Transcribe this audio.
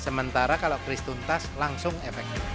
sementara kalau kris tuntas langsung efektif